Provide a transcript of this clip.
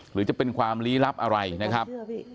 หรือจะเป็นความลี้ลับอะไรนะครับ